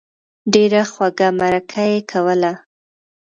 ډېره خوږه مرکه یې کوله.